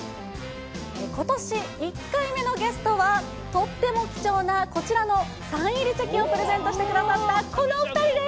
ことし、１回目のゲストは、とっても貴重なこちらのサイン入りチェキをプレゼントしてくださった、このお２人です。